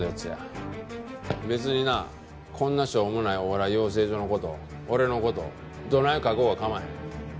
別になこんなしょうもないお笑い養成所の事俺の事どない書こうがかまへん。